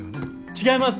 違います！